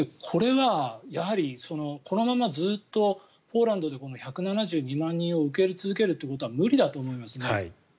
これはやはり、このままずっとポーランドで１７２万人を受け入れ続けるということは無理だと思いますね。